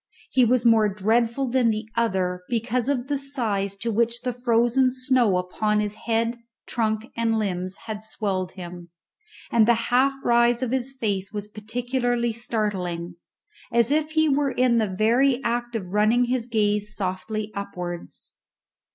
He was more dreadful than the other because of the size to which the frozen snow upon his head, trunk, and limbs had swelled him; and the half rise of his face was particularly startling, as if he were in the very act of running his gaze softly upwards.